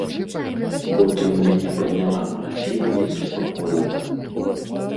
Потым мяне падняла маці і заспакоіла.